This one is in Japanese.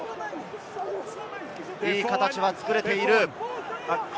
いい形は作れている。